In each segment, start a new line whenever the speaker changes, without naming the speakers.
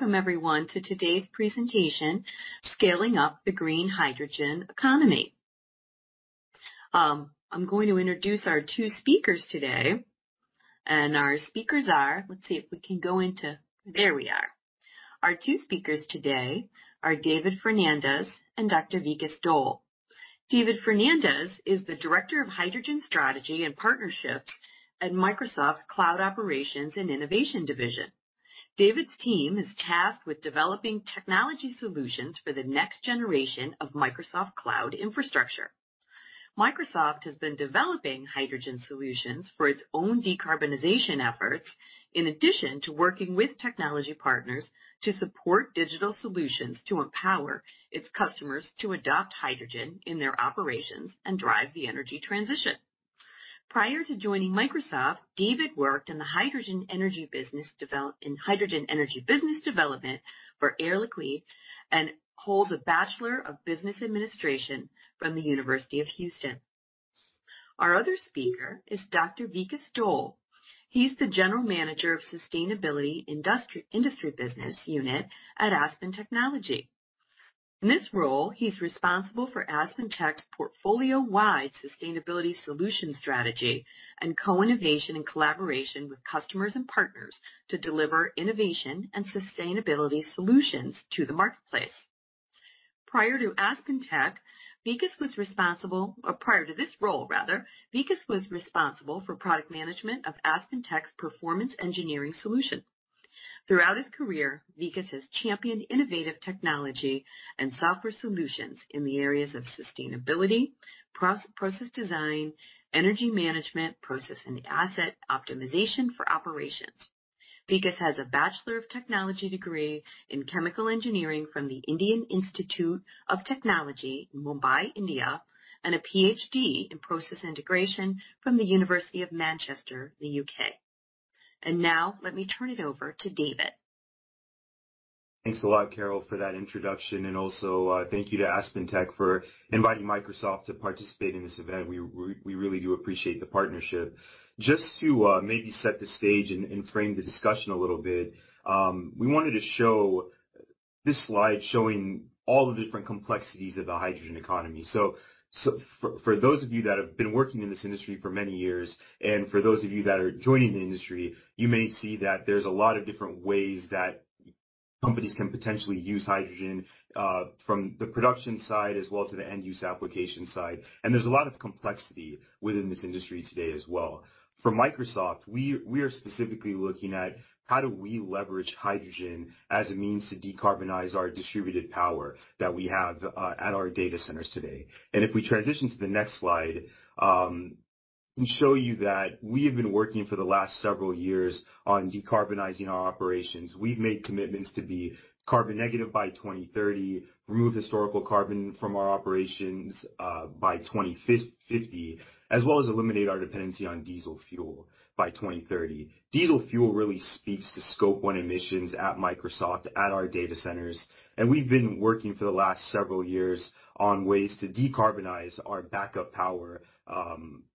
Welcome everyone to today's presentation, Scaling Up the Green Hydrogen Economy. I'm going to introduce our two speakers today. Our speakers are: There we are. Our two speakers today are David Fernandez and Dr. Vikas Dhole. David Fernandez is the Director of Hydrogen Strategy and Partnerships at Microsoft's Cloud Operations and Innovation Division. David's team is tasked with developing technology solutions for the next generation of Microsoft Cloud infrastructure. Microsoft has been developing hydrogen solutions for its own decarbonization efforts, in addition to working with technology partners to support digital solutions, to empower its customers to adopt hydrogen in their operations and drive the energy transition. Prior to joining Microsoft, David worked in hydrogen energy business development for Air Liquide, and holds a Bachelor of Business Administration from the University of Houston. Our other speaker is Dr. Vikas Dhole. He's the General Manager of Sustainability Industry Business Unit at Aspen Technology. In this role, he's responsible for AspenTech's portfolio-wide sustainability solution strategy and co-innovation and collaboration with customers and partners to deliver innovation and sustainability solutions to the marketplace. Prior to AspenTech, or prior to this role, rather, Vikas was responsible for product management of AspenTech's performance engineering solution. Throughout his career, Vikas has championed innovative technology and software solutions in the areas of sustainability, pros, process design, energy management, process and asset optimization for operations. Vikas has a Bachelor of Technology degree in Chemical Engineering from the Indian Institute of Technology in Mumbai, India, and a PhD in Process Integration from the University of Manchester in the U.K. Now let me turn it over to David.
Thanks a lot, Carol, for that introduction. Also, thank you to AspenTech for inviting Microsoft to participate in this event. We really do appreciate the partnership. Just to maybe set the stage and frame the discussion a little bit, we wanted to show this slide, showing all the different complexities of the hydrogen economy. For those of you that have been working in this industry for many years, and for those of you that are joining the industry, you may see that there's a lot of different ways that companies can potentially use hydrogen from the production side as well to the end use application side. There's a lot of complexity within this industry today as well. For Microsoft, we are specifically looking at how do we leverage hydrogen as a means to decarbonize our distributed power that we have at our data centers today. If we transition to the next slide, we show you that we have been working for the last several years on decarbonizing our operations. We've made commitments to be carbon negative by 2030, remove historical carbon from our operations by 2050, as well as eliminate our dependency on diesel fuel by 2030. Diesel fuel really speaks to scope one emissions at Microsoft, at our data centers, we've been working for the last several years on ways to decarbonize our backup power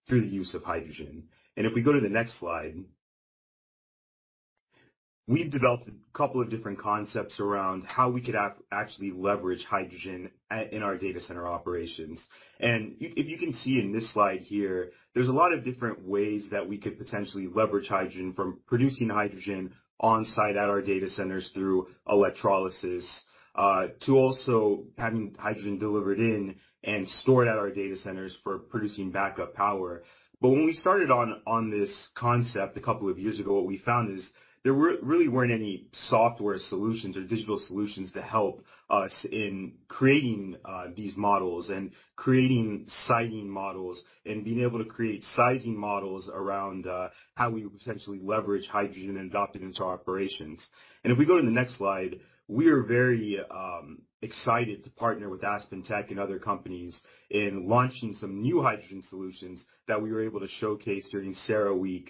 through the use of hydrogen. If we go to the next slide, we've developed a couple of different concepts around how we could actually leverage hydrogen in our data center operations. If you can see in this slide here, there's a lot of different ways that we could potentially leverage hydrogen from producing hydrogen on-site at our data centers through electrolysis to also having hydrogen delivered in and stored at our data centers for producing backup power. When we started on this concept a couple of years ago, what we found is really weren't any software solutions or digital solutions to help us in creating these models and creating siting models and being able to create sizing models around how we would potentially leverage hydrogen and adopt it into our operations. If we go to the next slide, we are very excited to partner with AspenTech and other companies in launching some new hydrogen solutions that we were able to showcase during CERAWeek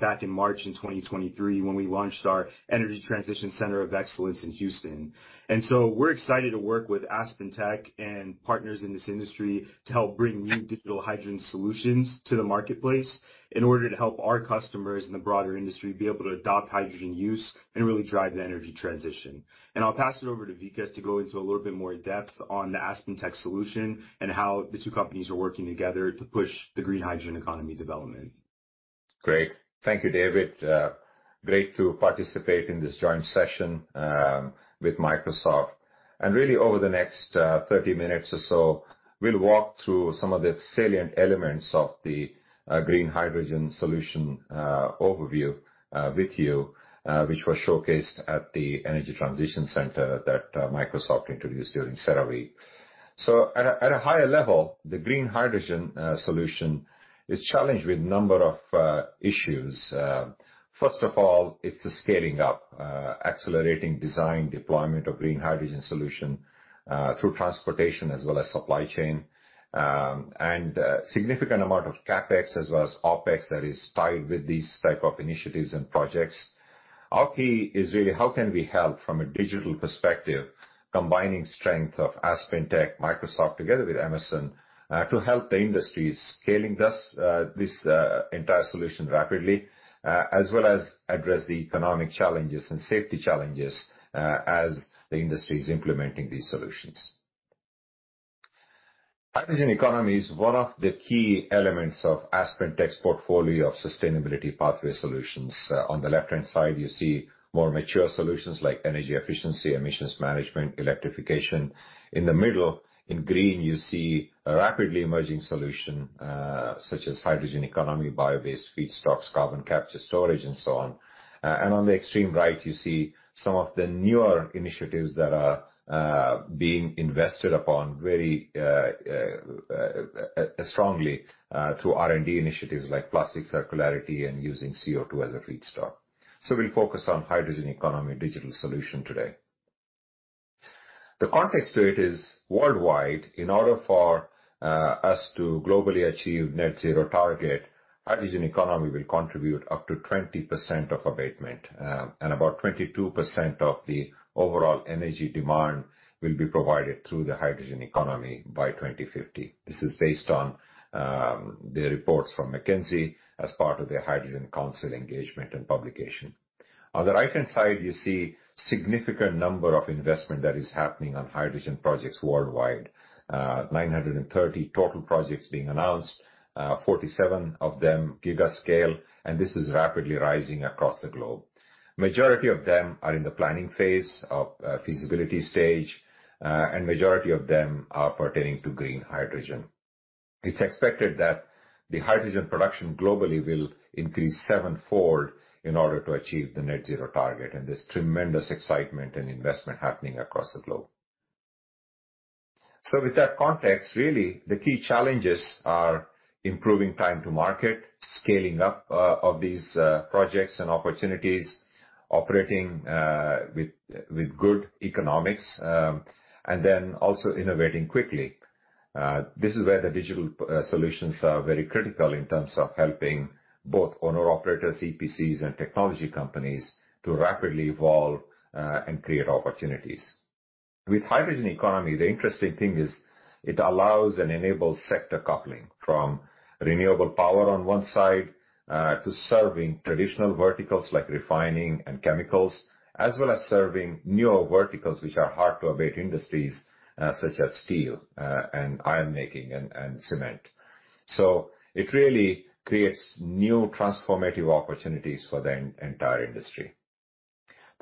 back in March in 2023, when we launched our Energy Transition Center of Excellence in Houston. We're excited to work with AspenTech and partners in this industry to help bring new digital hydrogen solutions to the marketplace, in order to help our customers in the broader industry be able to adopt hydrogen use and really drive the energy transition. I'll pass it over to Vikas to go into a little bit more depth on the AspenTech solution and how the two companies are working together to push the green hydrogen economy development.
Great. Thank you, David. Great to participate in this joint session with Microsoft. Really, over the next 30 minutes or so, we'll walk through some of the salient elements of the green hydrogen solution overview with you, which was showcased at the Energy Transition Center that Microsoft introduced during CERAWeek. At a higher level, the green hydrogen solution is challenged with a number of issues. First of all, it's the scaling up, accelerating design, deployment of green hydrogen solution through transportation as well as supply chain. Significant amount of CapEx as well as OpEx that is tied with these type of initiatives and projects. Our key is really how can we help from a digital perspective, combining strength of AspenTech, Microsoft together with Amazon, to help the industry scaling this entire solution rapidly, as well as address the economic challenges and safety challenges, as the industry is implementing these solutions. Hydrogen economy is one of the key elements of AspenTech's portfolio of sustainability pathway solutions. On the left-hand side, you see more mature solutions like energy efficiency, emissions management, electrification. In the middle, in green, you see a rapidly emerging solution, such as hydrogen economy, bio-based feedstocks, carbon capture storage, and so on. On the extreme right, you see some of the newer initiatives that are being invested upon very strongly through R&D initiatives like plastic circularity and using CO2 as a feedstock. We'll focus on hydrogen economy digital solution today. The context to it is worldwide. In order for us to globally achieve net zero target, hydrogen economy will contribute up to 20% of abatement, and about 22% of the overall energy demand will be provided through the hydrogen economy by 2050. This is based on the reports from McKinsey as part of their Hydrogen Council engagement and publication. On the right-hand side, you see significant number of investment that is happening on hydrogen projects worldwide. 930 total projects being announced, 47 of them giga scale, and this is rapidly rising across the globe. Majority of them are in the planning phase of feasibility stage, and majority of them are pertaining to green hydrogen. It's expected that the hydrogen production globally will increase sevenfold in order to achieve the net zero target, and there's tremendous excitement and investment happening across the globe. With that context, really, the key challenges are improving time to market, scaling up of these projects and opportunities, operating with good economics, and then also innovating quickly. This is where the digital solutions are very critical in terms of helping both owner-operators, EPCs, and technology companies to rapidly evolve and create opportunities. With hydrogen economy, the interesting thing is it allows and enables sector coupling from renewable power on one side to serving traditional verticals like refining and chemicals, as well as serving newer verticals, which are hard-to-abate industries, such as steel, and iron making and cement. It really creates new transformative opportunities for the entire industry.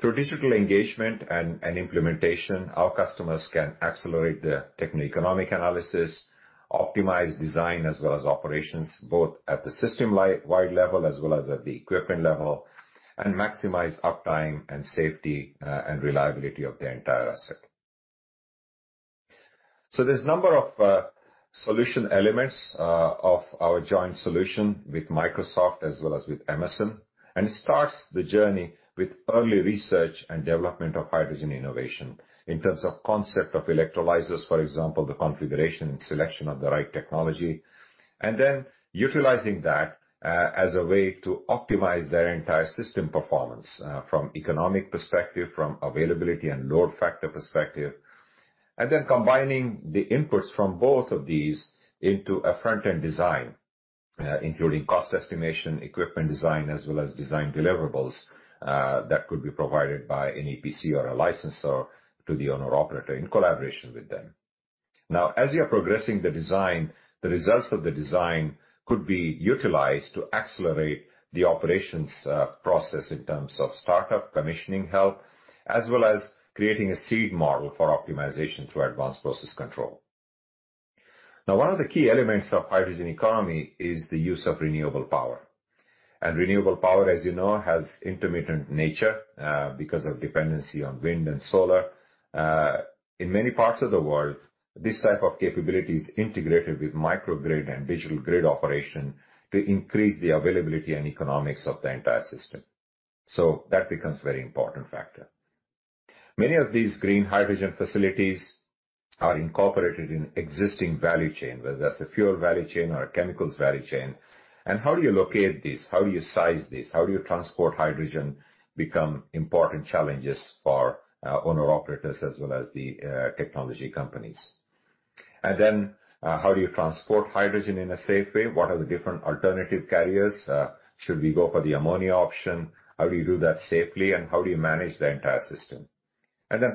Through digital engagement and implementation, our customers can accelerate the techno-economic analysis, optimize design, as well as operations, both at the system-wide level as well as at the equipment level, and maximize uptime and safety and reliability of the entire asset. There's a number of solution elements of our joint solution with Microsoft as well as with Emerson. It starts the journey with early research and development of hydrogen innovation in terms of concept of electrolyzers, for example, the configuration and selection of the right technology. Then utilizing that as a way to optimize their entire system performance from economic perspective, from availability and load factor perspective. Then combining the inputs from both of these into a front-end design, including cost estimation, equipment design, as well as design deliverables that could be provided by an EPC or a licensor to the owner-operator in collaboration with them. As you are progressing the design, the results of the design could be utilized to accelerate the operations, process in terms of startup, commissioning help, as well as creating a seed model for optimization through advanced process control. One of the key elements of hydrogen economy is the use of renewable power. Renewable power, as you know, has intermittent nature because of dependency on wind and solar. In many parts of the world, this type of capability is integrated with microgrid and digital grid operation to increase the availability and economics of the entire system. That becomes a very important factor. Many of these green hydrogen facilities are incorporated in existing value chain, whether that's a fuel value chain or a chemicals value chain. How do you locate these, how do you size these, how do you transport hydrogen, become important challenges for owner-operators as well as the technology companies. How do you transport hydrogen in a safe way? What are the different alternative carriers? Should we go for the ammonia option? How do you do that safely, and how do you manage the entire system?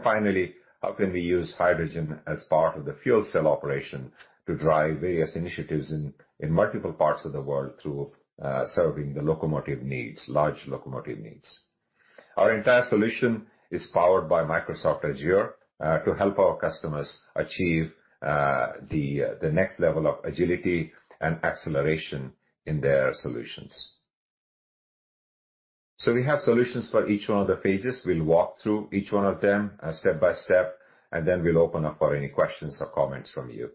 Finally, how can we use hydrogen as part of the fuel cell operation to drive various initiatives in multiple parts of the world through serving the locomotive needs, large locomotive needs? Our entire solution is powered by Microsoft Azure to help our customers achieve the next level of agility and acceleration in their solutions. We have solutions for each one of the phases. We'll walk through each one of them, step by step. We'll open up for any questions or comments from you.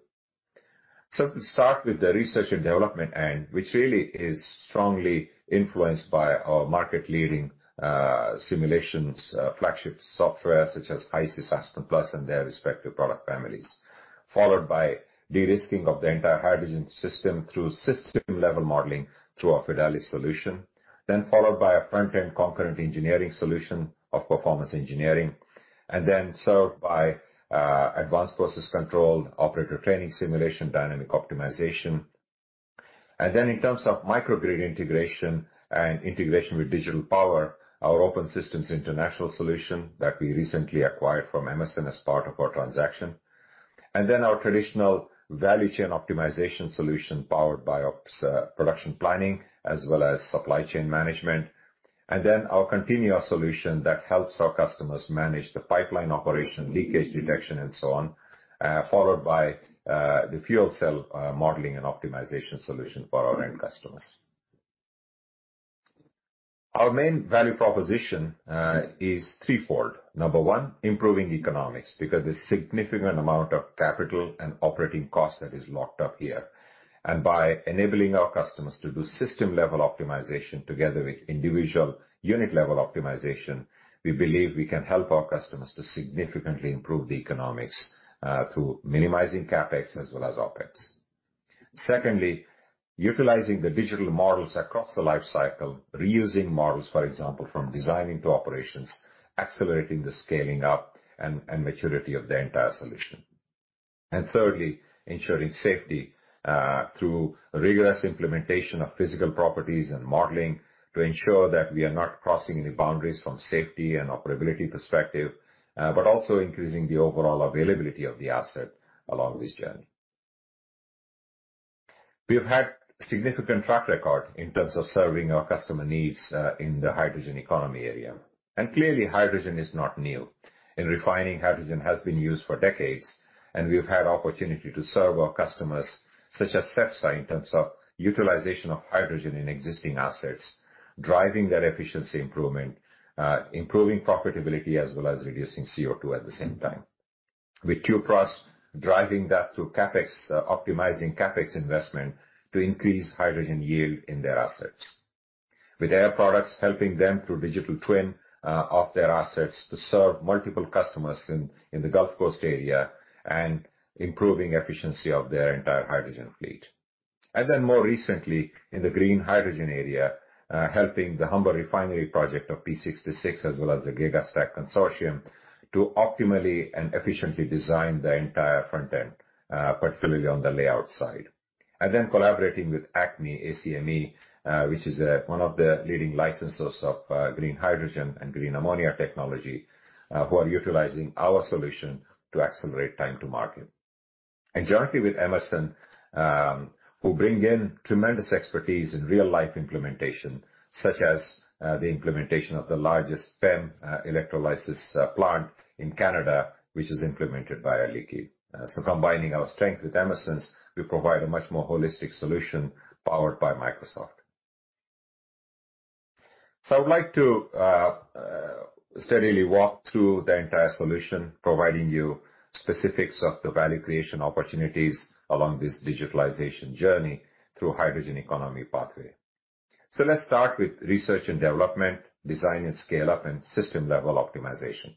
To start with the research and development end, which really is strongly influenced by our market-leading simulations flagship software such as Aspen HYSYS, Aspen Plus, and their respective product families. Followed by de-risking of the entire hydrogen system through system-level modeling through our Fidelis solution, followed by a front-end concurrent engineering solution of performance engineering, served by advanced process control, operator training, simulation, dynamic optimization. In terms of microgrid integration and integration with digital power, our Open Systems International solution that we recently acquired from Emerson as part of our transaction. Our traditional value chain optimization solution, powered by ops, production planning, as well as supply chain management. Our Continua solution that helps our customers manage the pipeline operation, leakage detection, and so on, followed by the fuel cell modeling and optimization solution for our end customers. Our main value proposition is threefold. Number one, improving economics, because there's significant amount of capital and operating costs that is locked up here. By enabling our customers to do system-level optimization together with individual unit-level optimization, we believe we can help our customers to significantly improve the economics through minimizing CapEx as well as OpEx. Secondly, utilizing the digital models across the life cycle, reusing models, for example, from designing to operations, accelerating the scaling up and maturity of the entire solution. Thirdly, ensuring safety, through rigorous implementation of physical properties and modeling to ensure that we are not crossing any boundaries from safety and operability perspective, but also increasing the overall availability of the asset along this journey. We have had significant track record in terms of serving our customer needs, in the hydrogen economy area. Clearly, hydrogen is not new. In refining, hydrogen has been used for decades, and we've had opportunity to serve our customers, such as Cepsa, in terms of utilization of hydrogen in existing assets, driving their efficiency improvement, improving profitability, as well as reducing CO2 at the same time. With Tüpraş, driving that through CapEx, optimizing CapEx investment to increase hydrogen yield in their assets. With Air Products, helping them through digital twin of their assets to serve multiple customers in the Gulf Coast area and improving efficiency of their entire hydrogen fleet. More recently, in the green hydrogen area, helping the Humber Refinery project of P66, as well as the GigaStack consortium, to optimally and efficiently design the entire front end, particularly on the layout side. Collaborating with ACME, A-C-M-E, which is one of the leading licensors of green hydrogen and green ammonia technology, who are utilizing our solution to accelerate time to market. Jointly with Emerson, who bring in tremendous expertise in real-life implementation, such as the implementation of the largest PEM electrolysis plant in Canada, which is implemented by Air Liquide. Combining our strength with Emerson's, we provide a much more holistic solution powered by Microsoft. I would like to steadily walk through the entire solution, providing you specifics of the value creation opportunities along this digitalization journey through hydrogen economy pathway. Let's start with research and development, design and scale-up, and system-level optimization.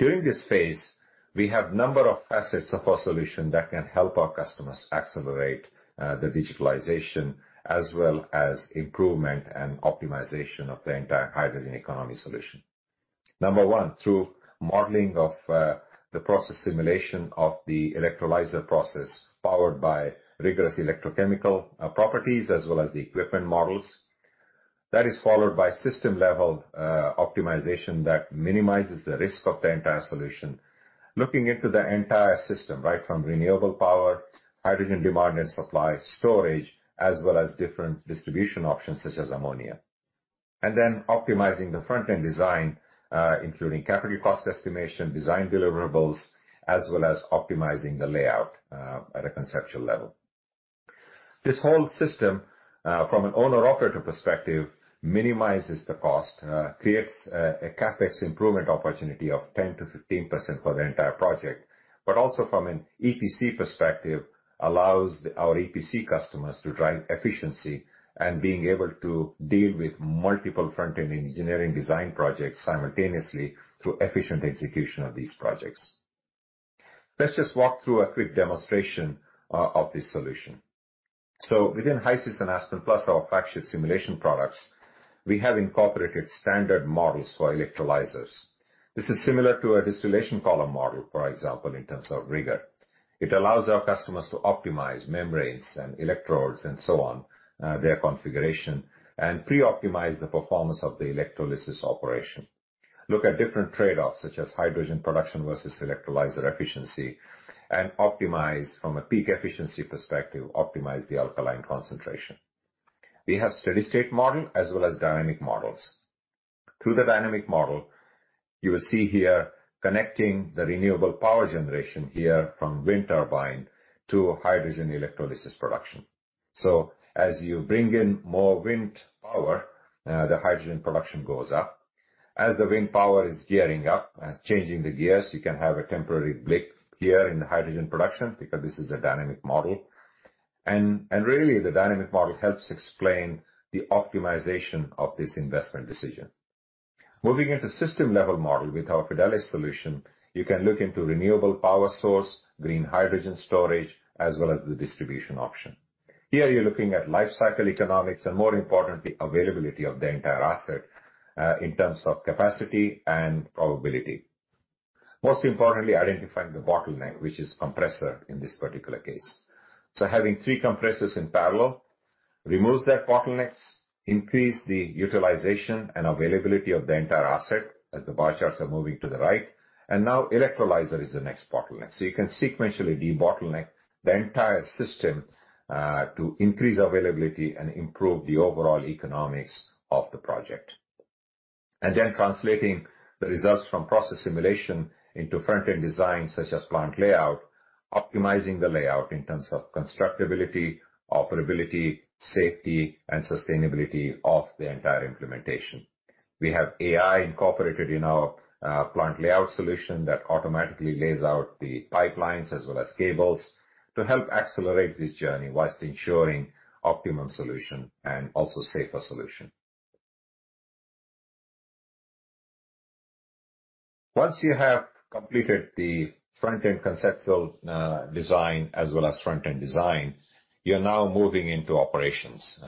During this phase, we have number of facets of our solution that can help our customers accelerate the digitalization, as well as improvement and optimization of the entire hydrogen economy solution. Number one, through modeling of the process simulation of the electrolyzer process, powered by rigorous electrochemical properties as well as the equipment models. That is followed by system-level optimization that minimizes the risk of the entire solution, looking into the entire system, right from renewable power, hydrogen demand and supply, storage, as well as different distribution options such as ammonia. Optimizing the front-end design, including capital cost estimation, design deliverables, as well as optimizing the layout at a conceptual level. This whole system, from an owner-operator perspective, minimizes the cost, creates a CapEx improvement opportunity of 10%-15% for the entire project, but also from an EPC perspective, allows our EPC customers to drive efficiency and being able to deal with multiple front-end engineering design projects simultaneously through efficient execution of these projects. Let's just walk through a quick demonstration of this solution. Within HYSYS and Aspen Plus, our fact sheet simulation products, we have incorporated standard models for electrolyzers. This is similar to a distillation column model, for example, in terms of rigor. It allows our customers to optimize membranes and electrodes and so on, their configuration, and pre-optimize the performance of the electrolysis operation, look at different trade-offs, such as hydrogen production versus electrolyzer efficiency, and optimize from a peak efficiency perspective, optimize the alkaline concentration. We have steady-state model as well as dynamic models. Through the dynamic model, you will see here connecting the renewable power generation here from wind turbine to hydrogen electrolysis production. As you bring in more wind power, the hydrogen production goes up. As the wind power is gearing up and changing the gears, you can have a temporary blip here in the hydrogen production, because this is a dynamic model. Really, the dynamic model helps explain the optimization of this investment decision. Moving into system-level model with our Fidelis solution, you can look into renewable power source, green hydrogen storage, as well as the distribution option. Here, you're looking at life cycle economics, and more importantly, availability of the entire asset, in terms of capacity and probability. Most importantly, identifying the bottleneck, which is compressor in this particular case. Having three compressors in parallel removes that bottlenecks, increase the utilization and availability of the entire asset, as the bar charts are moving to the right, and now electrolyzer is the next bottleneck. You can sequentially debottleneck the entire system, to increase availability and improve the overall economics of the project. Translating the results from process simulation into front-end design, such as plant layout, optimizing the layout in terms of constructability, operability, safety, and sustainability of the entire implementation. We have AI incorporated in our plant layout solution that automatically lays out the pipelines as well as cables to help accelerate this journey whilst ensuring optimum solution and also safer solution. Once you have completed the front-end conceptual design as well as front-end design, you're now moving into operations.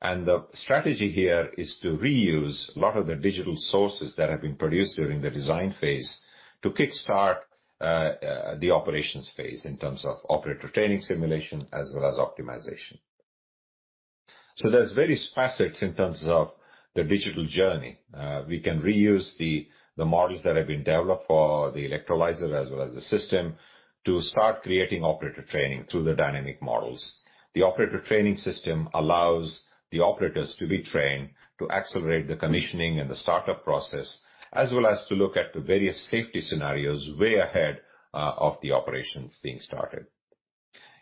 The strategy here is to reuse a lot of the digital sources that have been produced during the design phase to kickstart the operations phase in terms of operator training simulation as well as optimization. There's various facets in terms of the digital journey. We can reuse the models that have been developed for the electrolyzer as well as the system to start creating operator training through the dynamic models. The operator training system allows the operators to be trained to accelerate the commissioning and the startup process, as well as to look at the various safety scenarios way ahead of the operations being started.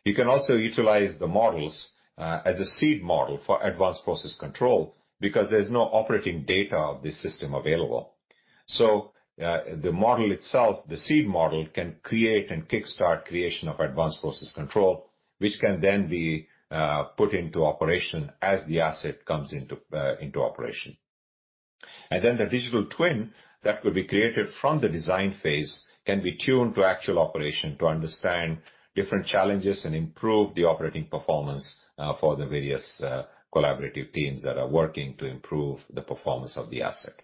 You can also utilize the models as a seed model for advanced process control because there's no operating data of this system available. The model itself, the seed model, can create and kickstart creation of advanced process control, which can then be put into operation as the asset comes into operation. Then the digital twin that could be created from the design phase can be tuned to actual operation to understand different challenges and improve the operating performance for the various collaborative teams that are working to improve the performance of the asset.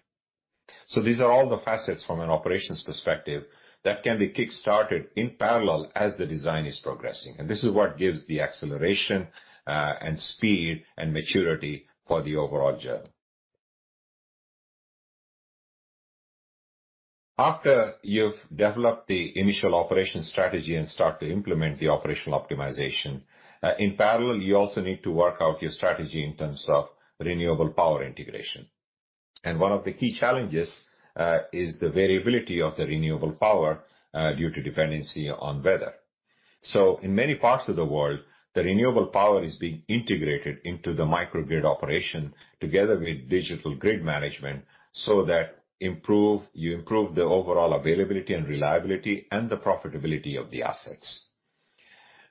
These are all the facets from an operations perspective that can be kickstarted in parallel as the design is progressing. This is what gives the acceleration, and speed, and maturity for the overall journey. After you've developed the initial operation strategy and start to implement the operational optimization, in parallel, you also need to work out your strategy in terms of renewable power integration. One of the key challenges, is the variability of the renewable power, due to dependency on weather. In many parts of the world, the renewable power is being integrated into the microgrid operation together with digital grid management, so that you improve the overall availability and reliability and the profitability of the assets.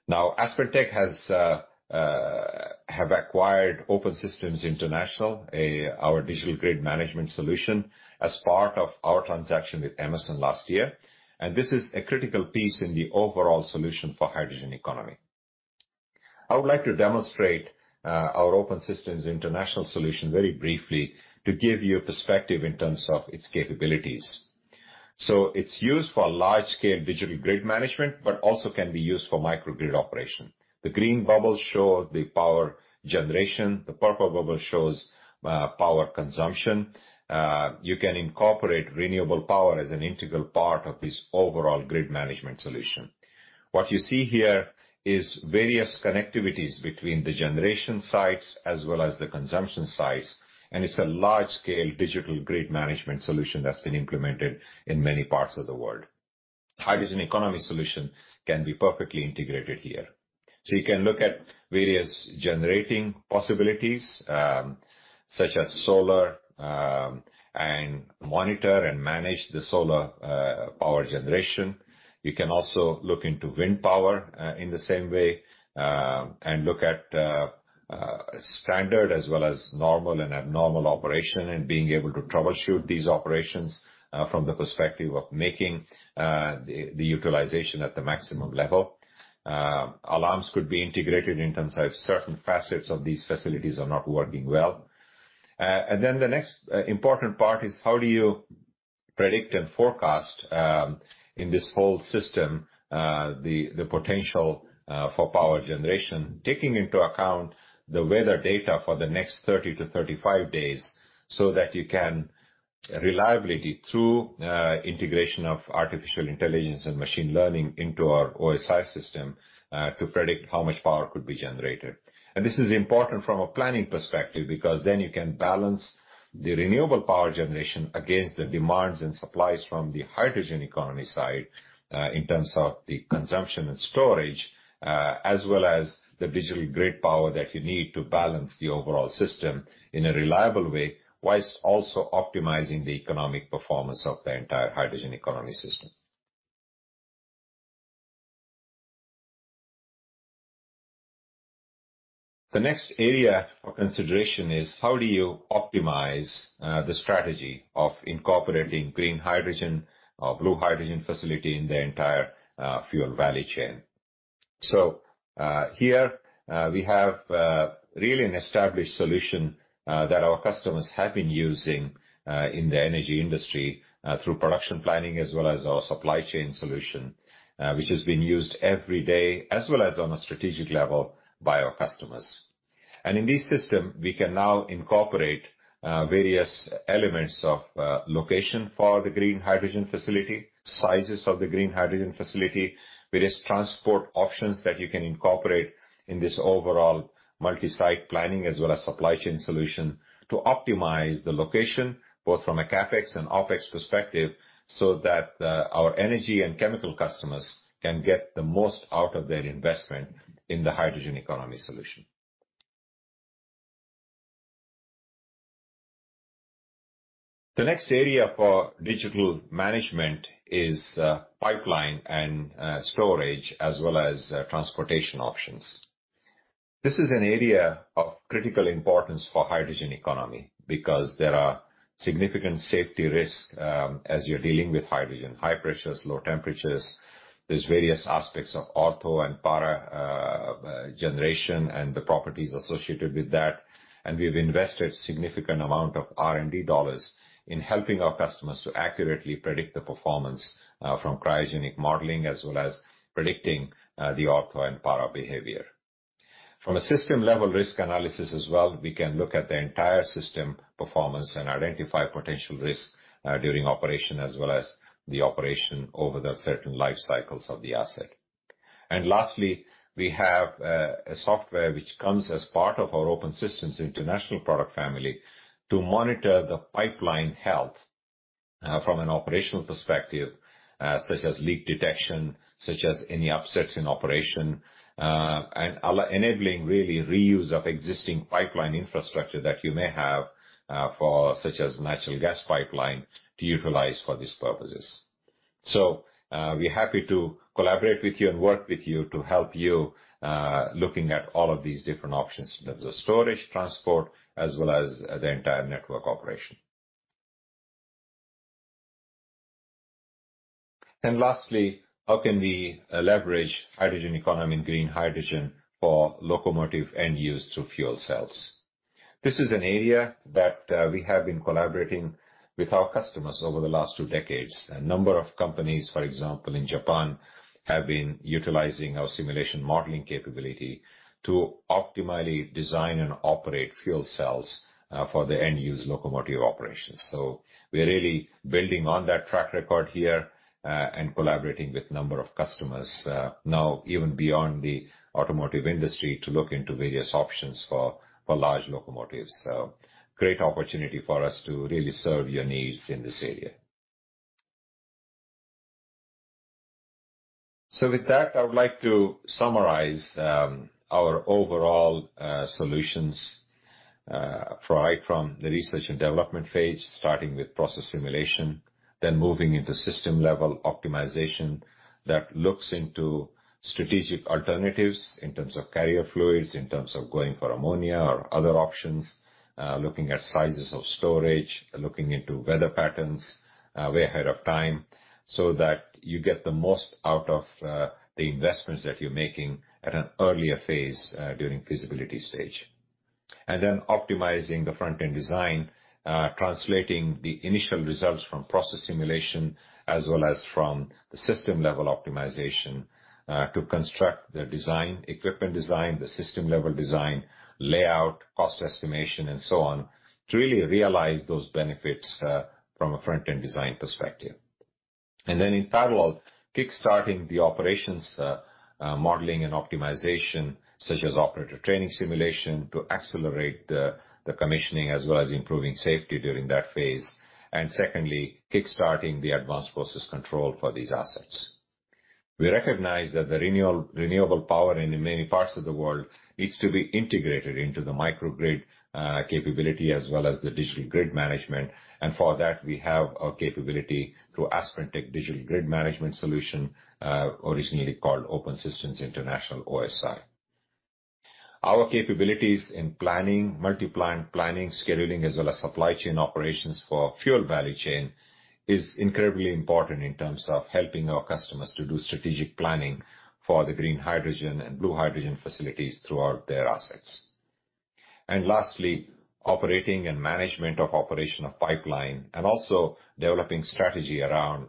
Now, AspenTech have acquired Open Systems International, our Digital Grid Management solution, as part of our transaction with Emerson last year, and this is a critical piece in the overall solution for hydrogen economy. I would like to demonstrate our Open Systems International solution very briefly to give you a perspective in terms of its capabilities. It's used for large-scale digital grid management, but also can be used for microgrid operation. The green bubbles show the power generation, the purple bubble shows power consumption. You can incorporate renewable power as an integral part of this overall grid management solution. What you see here is various connectivities between the generation sites as well as the consumption sites, and it's a large-scale digital grid management solution that's been implemented in many parts of the world. Hydrogen economy solution can be perfectly integrated here. You can look at various generating possibilities, such as solar, and monitor and manage the solar power generation. You can also look into wind power in the same way, and look at standard as well as normal and abnormal operation, and being able to troubleshoot these operations from the perspective of making the utilization at the maximum level. Alarms could be integrated in terms of certain facets of these facilities are not working well. The next important part is: How do you predict and forecast in this whole system the potential for power generation, taking into account the weather data for the next 30 to 35 days, so that you can reliably, through integration of artificial intelligence and machine learning into our OSI system, to predict how much power could be generated? This is important from a planning perspective, because then you can balance the renewable power generation against the demands and supplies from the hydrogen economy side, in terms of the consumption and storage, as well as the digital grid power that you need to balance the overall system in a reliable way, whilst also optimizing the economic performance of the entire hydrogen economy system. The next area of consideration is: How do you optimize the strategy of incorporating green hydrogen or blue hydrogen facility in the entire fuel value chain? Here, we have really an established solution that our customers have been using in the energy industry through production planning as well as our supply chain solution, which has been used every day as well as on a strategic level by our customers. In this system, we can now incorporate various elements of location for the green hydrogen facility, sizes of the green hydrogen facility, various transport options that you can incorporate in this overall multi-site planning as well as supply chain solution to optimize the location, both from a CapEx and OpEx perspective, so that our energy and chemical customers can get the most out of their investment in the hydrogen economy solution. The next area for digital management is pipeline and storage as well as transportation options. This is an area of critical importance for hydrogen economy because there are significant safety risks as you're dealing with hydrogen, high pressures, low temperatures. There's various aspects of ortho and para generation and the properties associated with that, and we've invested significant amount of R&D dollars in helping our customers to accurately predict the performance, from cryogenic modeling, as well as predicting the ortho and para behavior. From a system-level risk analysis as well, we can look at the entire system performance and identify potential risks, during operation as well as the operation over the certain life cycles of the asset. Lastly, we have a software which comes as part of our Open Systems International product family, to monitor the pipeline health, from an operational perspective, such as leak detection, such as any upsets in operation, and enabling really reuse of existing pipeline infrastructure that you may have, for such as natural gas pipeline, to utilize for these purposes. We're happy to collaborate with you and work with you to help you, looking at all of these different options in terms of storage, transport, as well as the entire network operation. Lastly, how can we leverage hydrogen economy and green hydrogen for locomotive end use through fuel cells? This is an area that we have been collaborating with our customers over the last two decades. A number of companies, for example, in Japan, have been utilizing our simulation modeling capability to optimally design and operate fuel cells for the end-use locomotive operations. We are really building on that track record here and collaborating with number of customers now even beyond the automotive industry, to look into various options for large locomotives. Great opportunity for us to really serve your needs in this area. With that, I would like to summarize our overall solutions right from the research and development phase, starting with process simulation, then moving into system-level optimization that looks into strategic alternatives in terms of carrier fluids, in terms of going for ammonia or other options, looking at sizes of storage, looking into weather patterns, way ahead of time, so that you get the most out of the investments that you're making at an earlier phase, during feasibility stage. Optimizing the front-end design, translating the initial results from process simulation as well as from the system-level optimization, to construct the design, equipment design, the system-level design, layout, cost estimation, and so on, to really realize those benefits from a front-end design perspective. In parallel, kickstarting the operations modeling and optimization, such as operator training simulation, to accelerate the commissioning as well as improving safety during that phase, and secondly, kickstarting the advanced process control for these assets. We recognize that renewable power in many parts of the world needs to be integrated into the microgrid capability as well as the digital grid management, and for that, we have a capability through AspenTech Digital Grid Management solution, originally called Open Systems International, OSI. Our capabilities in planning, multi-plan planning, scheduling, as well as supply chain operations for fuel value chain, is incredibly important in terms of helping our customers to do strategic planning for the green hydrogen and blue hydrogen facilities throughout their assets. Lastly, operating and management of operation of pipeline and also developing strategy around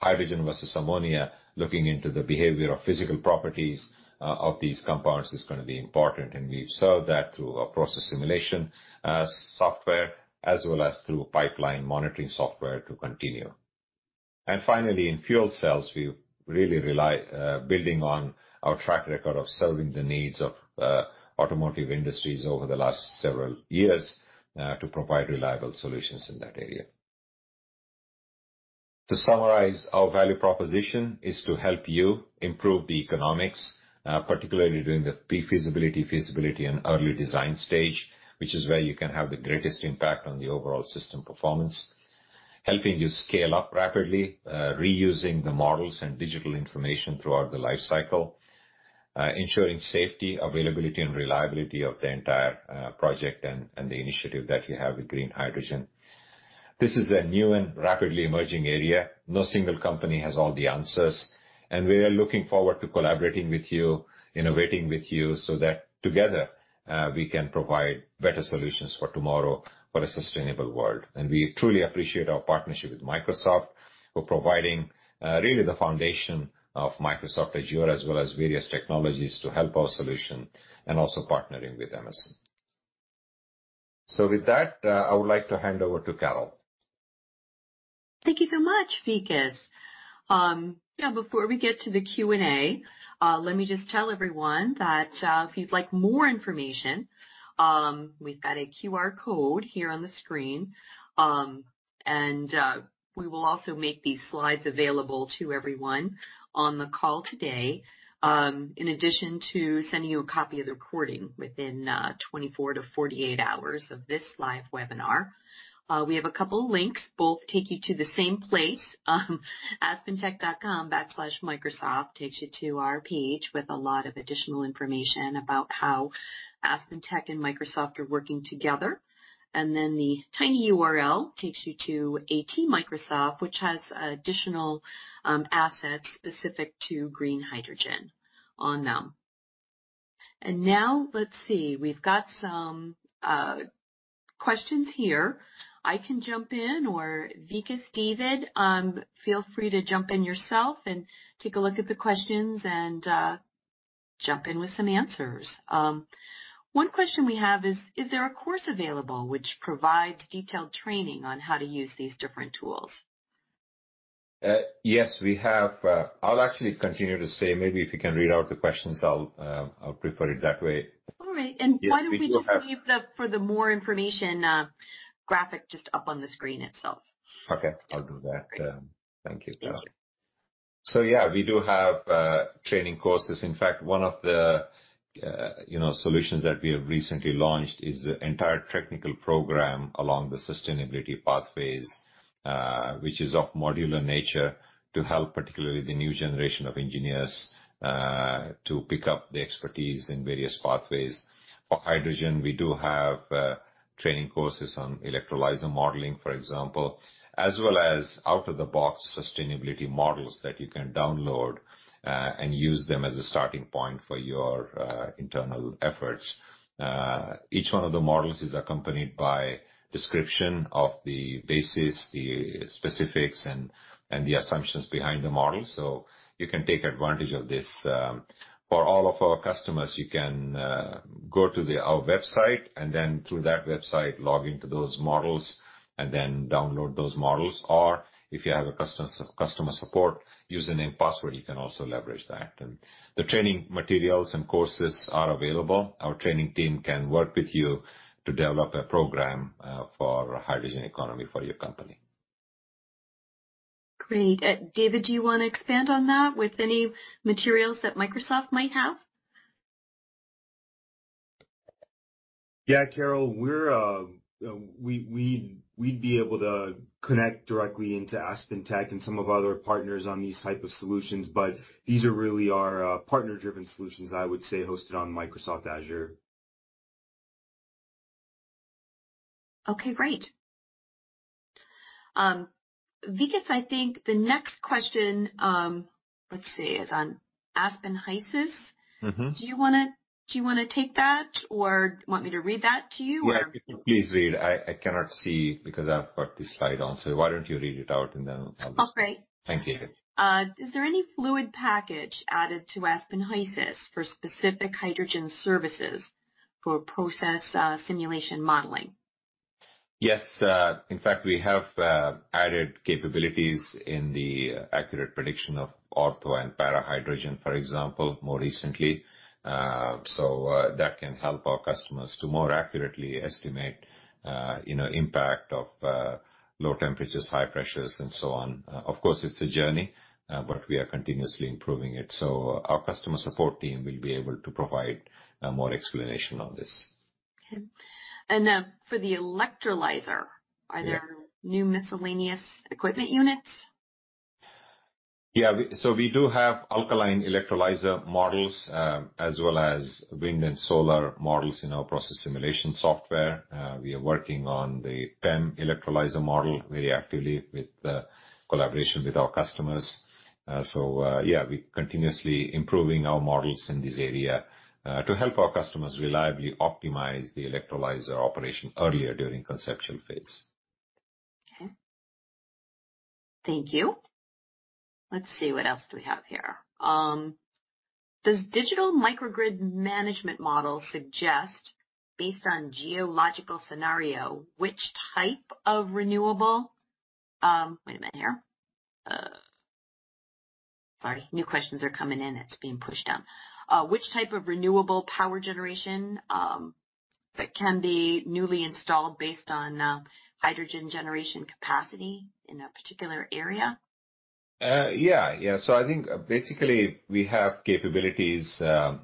hydrogen versus ammonia. Looking into the behavior of physical properties of these compounds is gonna be important, and we serve that through our process simulation software, as well as through pipeline monitoring software to continue. Finally, in fuel cells, we really rely, building on our track record of serving the needs of automotive industries over the last several years to provide reliable solutions in that area. To summarize, our value proposition is to help you improve the economics, particularly during the pre-feasibility, feasibility, and early design stage, which is where you can have the greatest impact on the overall system performance. Helping you scale up rapidly, reusing the models and digital information throughout the life cycle, ensuring safety, availability, and reliability of the entire project and the initiative that you have with green hydrogen. This is a new and rapidly emerging area. No single company has all the answers, and we are looking forward to collaborating with you, innovating with you, so that together, we can provide better solutions for tomorrow for a sustainable world. We truly appreciate our partnership with Microsoft for providing really the foundation of Microsoft Azure, as well as various technologies to help our solution, and also partnering with Amazon. With that, I would like to hand over to Carol.
Thank you so much, Vikas. Before we get to the Q&A, let me just tell everyone that if you'd like more information, we've got a QR code here on the screen. We will also make these slides available to everyone on the call today, in addition to sending you a copy of the recording within 24 to 48 hours of this live webinar. We have a couple links, both take you to the same place. aspentech.com/microsoft takes you to our page with a lot of additional information about how AspenTech and Microsoft are working together. The tiny URL takes you to AT Microsoft, which has additional assets specific to green hydrogen on them. Now let's see. We've got some questions here. I can jump in, or Vikas, David, feel free to jump in yourself and take a look at the questions and jump in with some answers. One question we have is: Is there a course available which provides detailed training on how to use these different tools?
Yes, we have. I'll actually continue to say, maybe if you can read out the questions, I'll prefer it that way.
All right.
Yeah, we do.
Why don't we just leave the, for the more information, graphic, just up on the screen itself?
Okay, I'll do that.
Great.
Thank you, Carol.
Thank you.
Yeah, we do have training courses. In fact, one of the, you know, solutions that we have recently launched is the entire technical program along the sustainability pathways, which is of modular nature, to help, particularly the new generation of engineers, to pick up the expertise in various pathways. For hydrogen, we do have training courses on electrolyzer modeling, for example, as well as out-of-the-box sustainability models that you can download and use them as a starting point for your internal efforts. Each one of the models is accompanied by description of the basis, the specifics, and the assumptions behind the model, so you can take advantage of this. For all of our customers, you can go to our website, and then through that website, log into those models and then download those models. If you have a customer support username, password, you can also leverage that. The training materials and courses are available. Our training team can work with you to develop a program for hydrogen economy for your company.
Great. David, do you want to expand on that with any materials that Microsoft might have?
Carol, we'd be able to connect directly into AspenTech and some of our other partners on these type of solutions, but these are really our partner-driven solutions, I would say, hosted on Microsoft Azure.
Okay, great. Vikas, I think the next question, let's see, is on Aspen HYSYS.
Mm-hmm.
Do you wanna take that or you want me to read that to you?
Yeah, please read. I cannot see because I've got this slide on, so why don't you read it out and then I'll just.
Okay.
Thank you.
Is there any fluid package added to Aspen HYSYS for specific hydrogen services for process simulation modeling?
Yes, in fact, we have added capabilities in the accurate prediction of ortho and para hydrogen, for example, more recently. That can help our customers to more accurately estimate, you know, impact of low temperatures, high pressures, and so on. Of course, it's a journey, but we are continuously improving it. Our customer support team will be able to provide more explanation on this.
Okay. for the electrolyzer-
Yeah.
Are there new miscellaneous equipment units?
We do have alkaline electrolyzer models, as well as wind and solar models in our process simulation software. We are working on the PEM electrolyzer model very actively with the collaboration with our customers. Yeah, we're continuously improving our models in this area, to help our customers reliably optimize the electrolyzer operation earlier during conceptual phase.
Okay. Thank you. Let's see, what else do we have here? Does digital microgrid management models suggest, based on geological scenario, which type of renewable... Wait a minute here. Sorry, new questions are coming in. It's being pushed down. Which type of renewable power generation, that can be newly installed based on, hydrogen generation capacity in a particular area?
Yeah, yeah. I think basically we have capabilities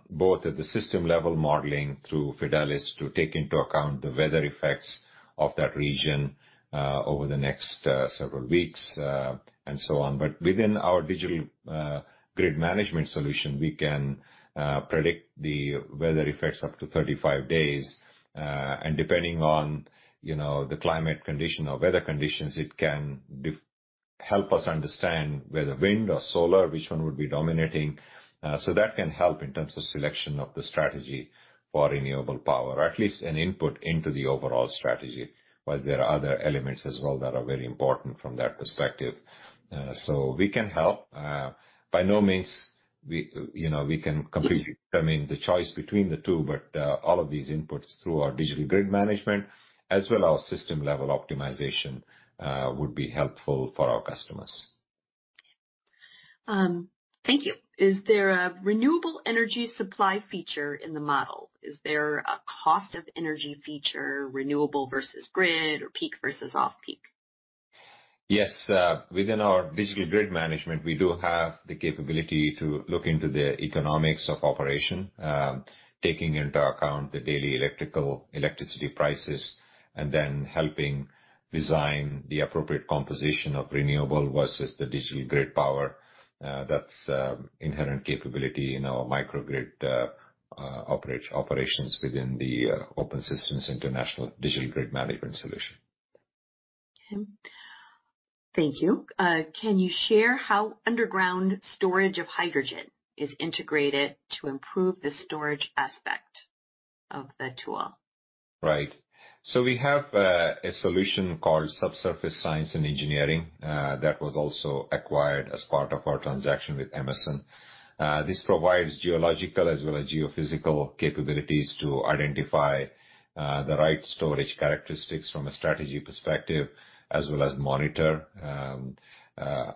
both at the system level modeling through Fidelis, to take into account the weather effects of that region over the next several weeks and so on. Within our Digital Grid Management solution, we can predict the weather effects up to 35 days, and depending on, you know, the climate condition or weather conditions, it can help us understand whether wind or solar, which one would be dominating. That can help in terms of selection of the strategy for renewable power, or at least an input into the overall strategy, whilst there are other elements as well that are very important from that perspective. We can help. by no means we, you know, we can completely determine the choice between the two, but all of these inputs through our Digital Grid Management, as well our system-level optimization, would be helpful for our customers.
Thank you. Is there a renewable energy supply feature in the model? Is there a cost of energy feature, renewable versus grid, or peak versus off-peak?
Yes. Within our Digital Grid Management, we do have the capability to look into the economics of operation, taking into account the daily electrical electricity prices, helping design the appropriate composition of renewable versus the digital grid power. That's inherent capability in our microgrid operations within the Open Systems International Digital Grid Management solution.
Okay. Thank you. Can you share how underground storage of hydrogen is integrated to improve the storage aspect of the tool?
Right. We have a solution called Subsurface Science & Engineering that was also acquired as part of our transaction with Emerson. This provides geological as well as geophysical capabilities to identify the right storage characteristics from a strategy perspective, as well as monitor.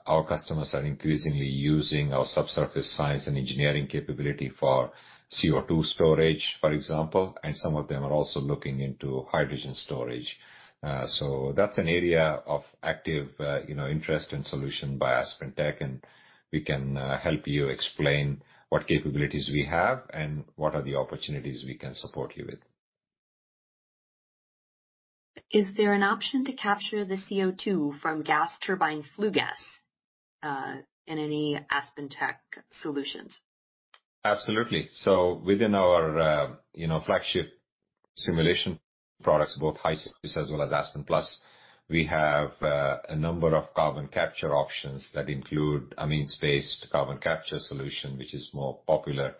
Our customers are increasingly using our Subsurface Science & Engineering capability for CO2 storage, for example, and some of them are also looking into hydrogen storage. That's an area of active, you know, interest and solution by AspenTech, and we can help you explain what capabilities we have and what are the opportunities we can support you with.
Is there an option to capture the CO2 from gas turbine flue gas, in any AspenTech solutions?
Absolutely. Within our, you know, flagship simulation products, both HYSYS as well as Aspen Plus, we have a number of carbon capture options that include amines-based carbon capture solution, which is more popular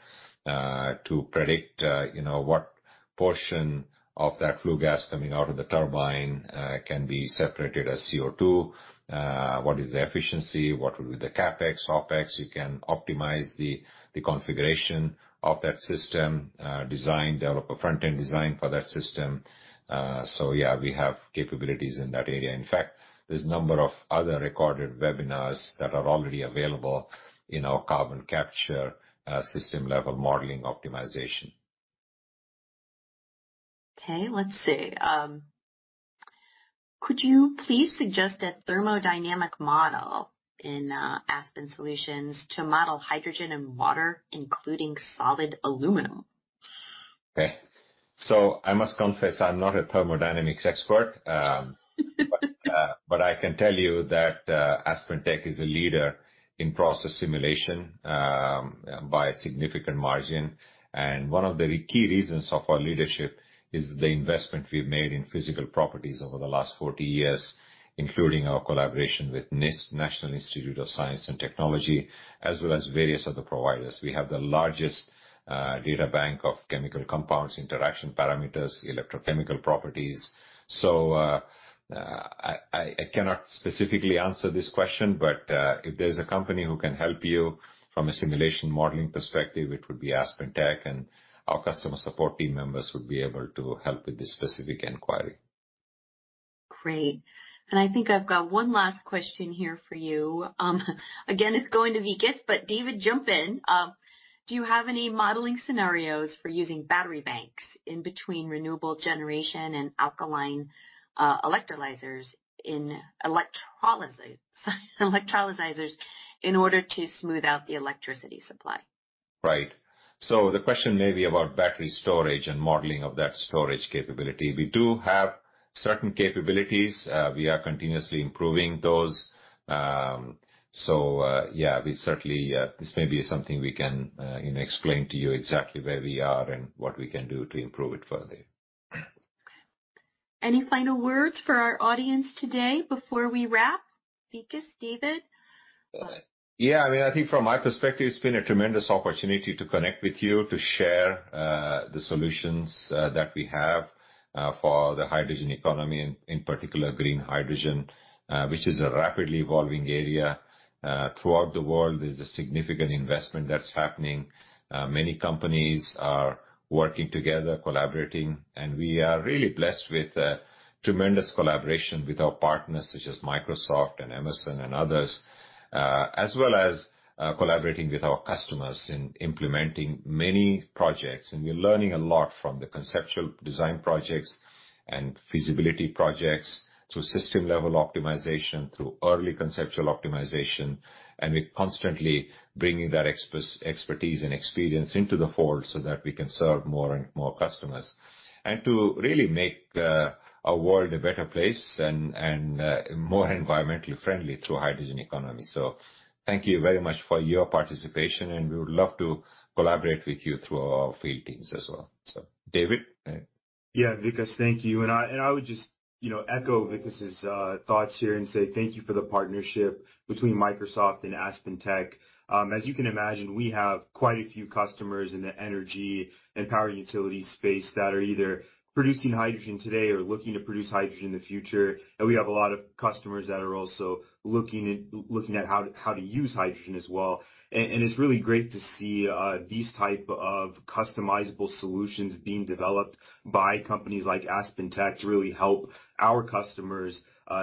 to predict, you know, what portion of that flue gas coming out of the turbine can be separated as CO2. What is the efficiency? What will be the CapEx, OpEx? You can optimize the configuration of that system, design, develop a front-end design for that system. Yeah, we have capabilities in that area. In fact, there's a number of other recorded webinars that are already available in our carbon capture system-level modeling optimization.
Okay, let's see. Could you please suggest a thermodynamic model in Aspen solutions to model hydrogen and water, including solid aluminum?
Okay. I must confess, I'm not a thermodynamics expert. I can tell you that AspenTech is a leader in process simulation by a significant margin. One of the key reasons of our leadership is the investment we've made in physical properties over the last 40 years, including our collaboration with NIST, National Institute of Standards and Technology, as well as various other providers. We have the largest data bank of chemical compounds, interaction parameters, electrochemical properties. I cannot specifically answer this question, but if there's a company who can help you from a simulation modeling perspective, it would be AspenTech, and our customer support team members would be able to help with this specific inquiry.
Great. I think I've got one last question here for you. Again, it's going to Vikas, but David, jump in. Do you have any modeling scenarios for using battery banks in between renewable generation and alkaline electrolyzers in electrolysis in order to smooth out the electricity supply?
Right. The question may be about battery storage and modeling of that storage capability. We do have certain capabilities. We are continuously improving those. Yeah, we certainly, this may be something we can, you know, explain to you exactly where we are and what we can do to improve it further.
Any final words for our audience today before we wrap, Vikas, David?
Yeah, I mean, I think from my perspective, it's been a tremendous opportunity to connect with you, to share the solutions that we have for the hydrogen economy, in particular, green hydrogen, which is a rapidly evolving area. Throughout the world, there's a significant investment that's happening. Many companies are working together, collaborating, and we are really blessed with tremendous collaboration with our partners, such as Microsoft and Emerson and others. As well as collaborating with our customers in implementing many projects. We're learning a lot from the conceptual design projects and feasibility projects, through system level optimization, through early conceptual optimization. We're constantly bringing that expertise and experience into the fold so that we can serve more and more customers, and to really make, our world a better place and, more environmentally friendly through hydrogen economy. Thank you very much for your participation, and we would love to collaborate with you through our field teams as well. David?
Yeah, Vikas, thank you. I would just, you know, echo Vikas' thoughts here and say thank you for the partnership between Microsoft and AspenTech. As you can imagine, we have quite a few customers in the energy and power utility space that are either producing hydrogen today or looking to produce hydrogen in the future. We have a lot of customers that are also looking at how to use hydrogen as well. It's really great to see these type of customizable solutions being developed by companies like AspenTech to really help our customers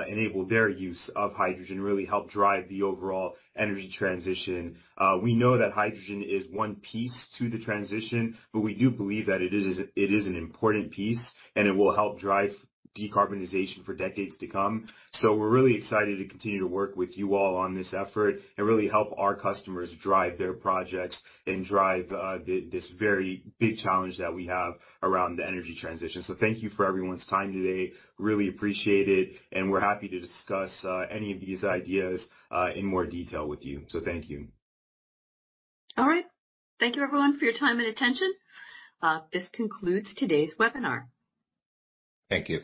enable their use of hydrogen, really help drive the overall energy transition. We know that hydrogen is one piece to the transition, we do believe that it is an important piece, and it will help drive decarbonization for decades to come. We're really excited to continue to work with you all on this effort and really help our customers drive their projects and drive this very big challenge that we have around the energy transition. Thank you for everyone's time today. Really appreciate it, and we're happy to discuss any of these ideas in more detail with you. Thank you.
All right. Thank you, everyone, for your time and attention. This concludes today's webinar.
Thank you.